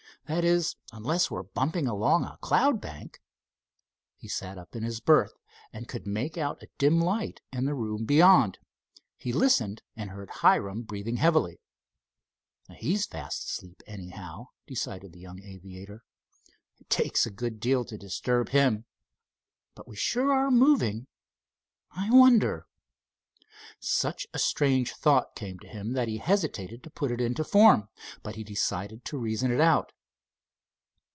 That is unless we're bumping along a cloud bank." He sat up in his berth, and could make out a dim light in the room beyond. He listened and heard Hiram breathing heavily. "He's fast asleep, anyhow," decided the young aviator. "It takes a good deal to disturb him. But we sure are moving. I wonder——?" Such a strange thought came to him that he hesitated to put it into form. But he decided to reason it out.